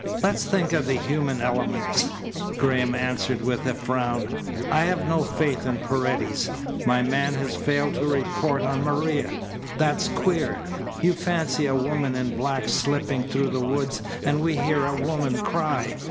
"Let's think of the human elements," Graham answered with a frown. "I have no faith in Paredes. My man has failed to report on Maria. That's queer. You fancy a woman in black slipping through the woods, and we hear a woman cry.